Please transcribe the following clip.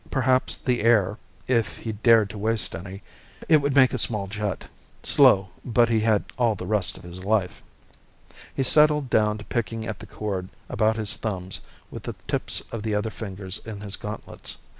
Perhaps the air if he dared to waste any, it would make a small jet. Slow, but he had all the rest of his life! He settled down to picking at the cord about his thumbs with the tips of the other fingers in his gauntlets.